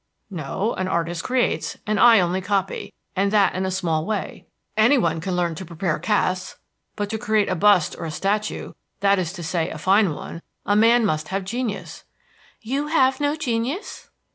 "No; an artist creates, and I only copy, and that in a small way. Any one can learn to prepare casts; but to create a bust or a statue that is to say, a fine one a man must have genius." "You have no genius?"